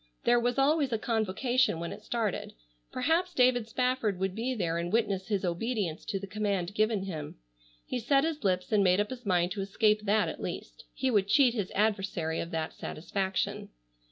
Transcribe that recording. There was always a convocation when it started. Perhaps David Spafford would be there and witness his obedience to the command given him. He set his lips and made up his mind to escape that at least. He would cheat his adversary of that satisfaction.